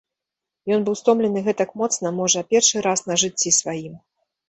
Ён быў стомлены гэтак моцна, можа, першы раз на жыцці сваім.